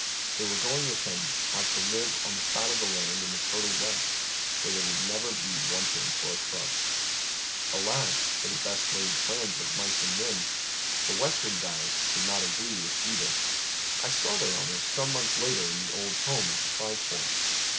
They were going with liini out to live on the fat of the land iii tlie fertile "West, where they would never be wanting foi' a cVnst. Alas ! for the best laid plans of mice and men. The Western diet did not agree with either. I saw their owner some months later in the old home at the Five Points.